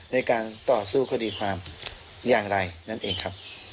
ในการต่อสู้คดีความอย่างไรนั่นเองครับ